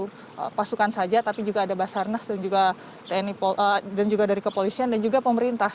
melibatkan satu pasukan saja tapi juga ada basarnas dan juga dari kepolisian dan juga pemerintah